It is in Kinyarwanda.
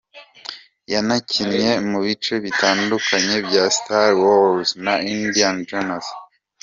Yanakinnye mu bice bitandukanye bya Star Wars na Indiana Jones.